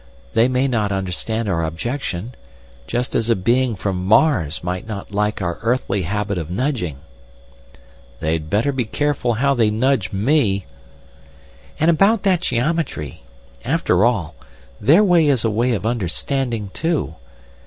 They may not understand our objection—just as a being from Mars might not like our earthly habit of nudging." "They'd better be careful how they nudge me." "And about that geometry. After all, their way is a way of understanding, too.